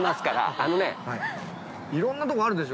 あのね◆いろんなとこ、あるでしょ。